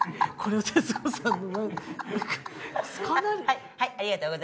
はい。